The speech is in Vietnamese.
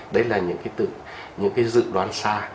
đấy là những dự đoán xa